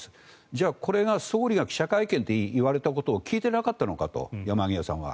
じゃあこれは総理が記者会見で言われたことを聞いていなかったのかと山際さんは。